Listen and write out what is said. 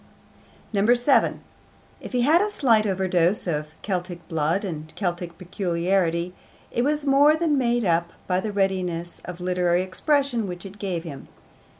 7. If he had a slight overdose of Celtic blood and Celtic peculiarity, it was more than made up by the readiness of literary expression which it gave him.